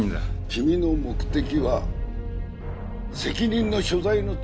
君の目的は責任の所在の追及かね？